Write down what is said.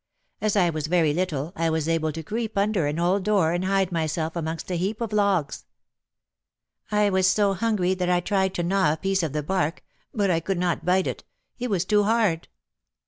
As I was very little, I was able to creep under an old door and hide myself amongst a heap of logs. I was so hungry that I tried to gnaw a piece of the bark, but I could not bite it, it was too hard.